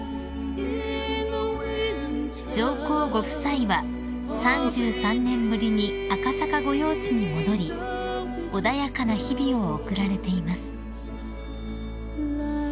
［上皇ご夫妻は３３年ぶりに赤坂御用地に戻り穏やかな日々を送られています］